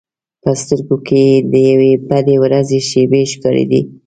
په سترګو کې یې د یوې بدې ورځې شېبې ښکارېدې.